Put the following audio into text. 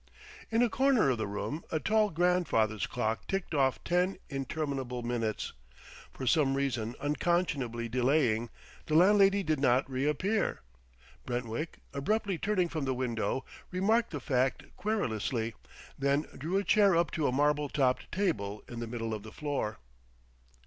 In a corner of the room a tall grandfather's clock ticked off ten interminable minutes. For some reason unconscionably delaying, the landlady did not reappear. Brentwick, abruptly turning from the window, remarked the fact querulously, then drew a chair up to a marble topped table in the middle of the floor.